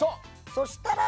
そしたら。